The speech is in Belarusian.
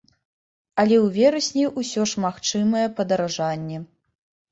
Але ў верасні ўсё ж магчымае падаражанне.